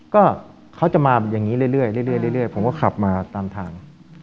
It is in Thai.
ก็เขาจะมาอย่างนี้เรื่อยผมก็ขับมาตามทาง